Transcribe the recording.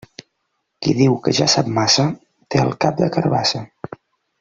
Qui diu que ja sap massa, té el cap de carabassa.